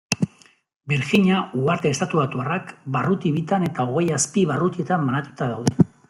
Birjina Uharte Estatubatuarrak barruti bitan eta hogei azpi-barrutietan banatuta daude.